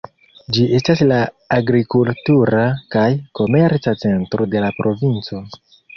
Ĝi estas la agrikultura kaj komerca centro de la provinco.